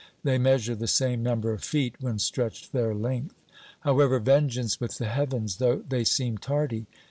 They measure the same number of feet when stretched their length. However, vengeance with the heavens! though they seem tardy.